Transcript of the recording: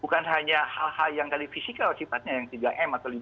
bukan hanya hal hal yang tadi fisikal sifatnya yang tiga m atau lima